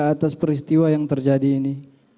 atas peristiwa yang terjadi ini